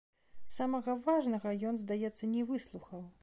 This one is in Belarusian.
Самага важнага ён, здаецца, не выслухаў.